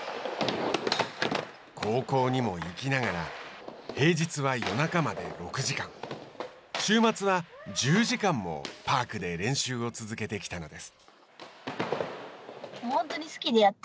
高校にも行きながら平日は夜中まで６時間週末は１０時間もパークで練習を続けてきたのです。